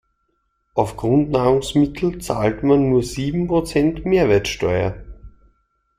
Auf Grundnahrungsmittel zahlt man nur sieben Prozent Mehrwertsteuer.